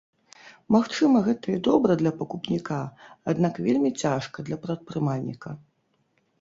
Магчыма, гэта і добра для пакупніка, аднак вельмі цяжка для прадпрымальніка.